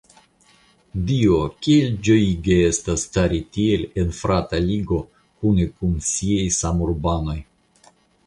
Dio, kiel ĝojige estas stari tiel en frata ligo kune kun siaj samurbanoj!